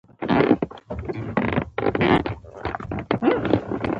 کار څنګه پیدا کړو؟